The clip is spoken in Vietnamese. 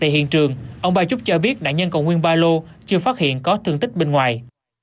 tại hiện trường ông ba trúc cho biết nạn nhân còn nguyên ba lô chưa phát hiện có thương tích bên ngoài